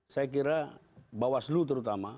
saya kira bawaslu terutama